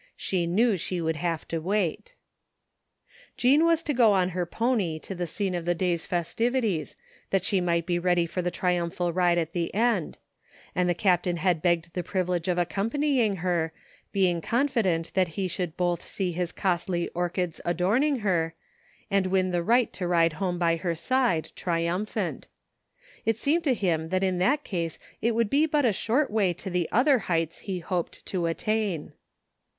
She knew she would have to wait 211 THE FINDING OF JASPER HOLT Jean was to go on her pony to the scene of the day's festivities, that she might be ready for the tri umphal ride at the end; and the Captain had begged the privilege of accompanying her, being confident that he should both see his costly orchids adorning her, and win the right to ride home by her side, triumphant It seemed to him that in that case it would be but a short way to the other heights he hoped to attain.